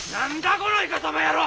このイカサマ野郎！